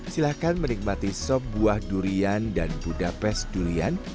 silahkan menikmati sop buah durian dan budapes durian